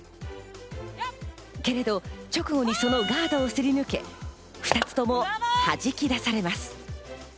けれど直後にそのガードをすり抜け、２つとも弾き出されます。